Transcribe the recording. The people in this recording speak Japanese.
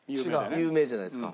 有名じゃないですか。